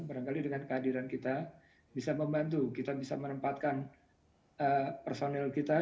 barangkali dengan kehadiran kita bisa membantu kita bisa menempatkan personil kita